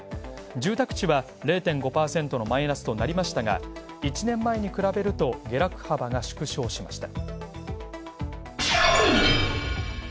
住宅地は０．５％のマイナスとなりましたが、１年前に比べると下落幅が縮小しました。